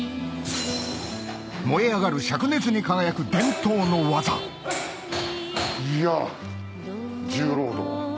燃え上がる灼熱に輝く伝統の技いや。